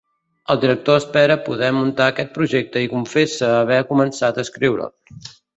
El director espera poder muntar aquest projecte i confessa haver començat a escriure'l.